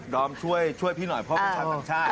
ดอมช่วยพี่หน่อยเพราะว่าชาติภัณฑ์ชาติ